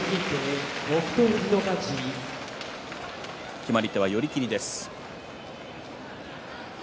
決まり手は寄り切りです。